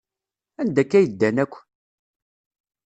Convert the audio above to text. Anda akka ay ddan akk?